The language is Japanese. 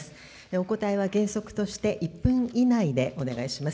お答えは原則として、１分以内でお願いします。